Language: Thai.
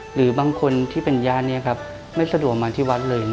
หรือบางคนที่เป็นญาติไม่สะดวกมาที่วัดเลย